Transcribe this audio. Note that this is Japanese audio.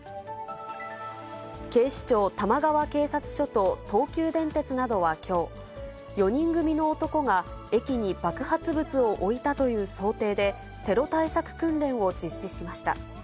警視庁玉川警察署と東急電鉄などはきょう、４人組の男が駅に爆発物を置いたという想定で、テロ対策訓練を実施しました。